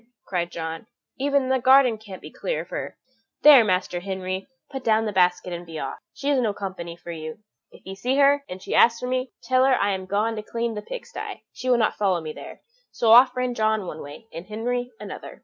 cried John, "even the garden can't be clear of her there, Master Henry, put down the basket and be off, she is no company for you. If you see her, and she asks for me, tell her I am gone to clean the pig sty; she will not follow me there." So off ran John one way, and Henry another.